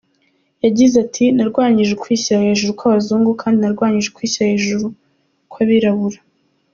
Yagize ati” Narwanyije ukwishyira hejuru kw’abazungu kandi narwanyije ukwishyira hejuru kw’abirabura.